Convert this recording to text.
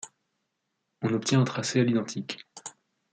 On obtient un tracé à l'identique.